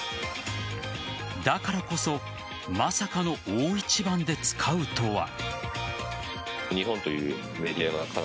だからこそまさかの大一番で使うとは。